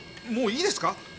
もういいですか？